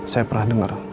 saya pernah denger